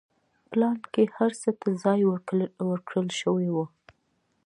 پلان کې هر څه ته ځای ورکړل شوی و.